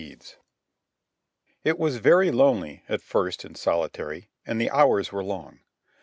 CHAPTER V. It was very lonely, at first, in solitary, and the hours were long.